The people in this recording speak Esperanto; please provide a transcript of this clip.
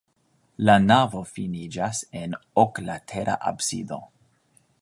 La navo finiĝas en oklatera absido.